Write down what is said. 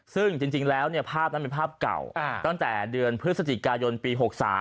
ซึ่งจริงแล้วภาพนั้นเป็นภาพเก่าตั้งแต่เดือนพฤศจิกายนปี๖๓